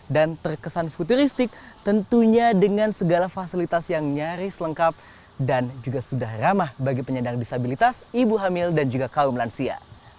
dan terkesan futuristik tentunya dengan segala fasilitas yang nyaris lengkap dan juga sudah ramah bagi penyandang disabilitas ibu hamil dan juga kaum lansia